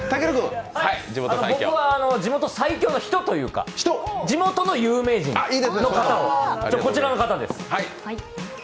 僕は地元最強の人というか地元の有名人なんですが、こちらの方です。